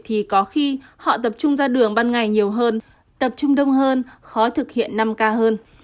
thì có khi họ tập trung ra đường ban ngày nhiều hơn tập trung đông hơn khó thực hiện năm k hơn